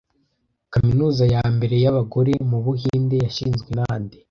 Kaminuza ya mbere y’abagore mu Buhinde yashinzwe na nde